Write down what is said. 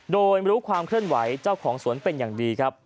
โดยรู้ความเคลื่อนไหวเจ้าของสวนเป็นอย่างดีครับ